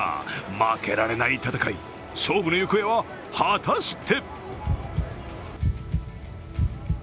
負けられない戦い勝負の行方は果たして？